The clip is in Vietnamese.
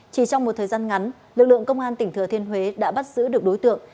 chỉ trong một thời gian ngắn lực lượng công an tỉnh thừa thiên huế đã bắt giữ được đối tượng